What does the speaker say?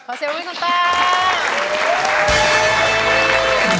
ขอเสียบริกษ์คุณตั้ม